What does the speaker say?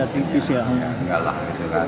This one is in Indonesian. tidak beda tipis ya